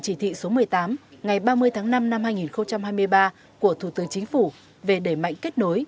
chỉ thị số một mươi tám ngày ba mươi tháng năm năm hai nghìn hai mươi ba của thủ tướng chính phủ về đẩy mạnh kết nối